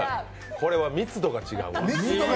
これは密度が違う。